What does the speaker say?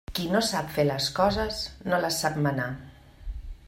Qui no sap fer les coses, no les sap manar.